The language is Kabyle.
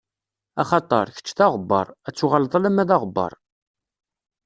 Axaṭer, kečč d aɣebbaṛ, ad tuɣaleḍ alamma d aɣebbaṛ.